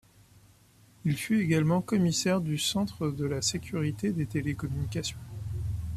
Il fut également commissaire du Centre de la sécurité des télécommunications.